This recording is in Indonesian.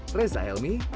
kota yang terbaik untuk anda